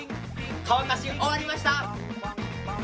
乾かし終わりました！